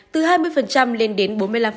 từ hai mươi lên đến bốn mươi năm